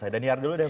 daniar dulu deh